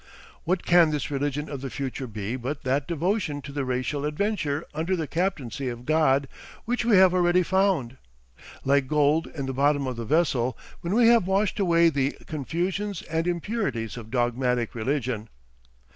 ... What can this "religion of the future" be but that devotion to the racial adventure under the captaincy of God which we have already found, like gold in the bottom of the vessel, when we have washed away the confusions and impurities of dogmatic religion?